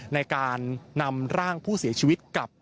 ในการนำร่างผู้เสียชีวิตกลับ